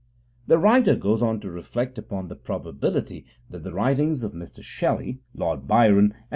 The writer goes on to reflect upon the probability that the writings of Mr Shelley, Lord Byron, and M.